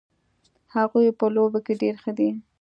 هغوی په لوبو کې ډېر ښه دي